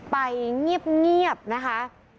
ไปเงียบนะคะ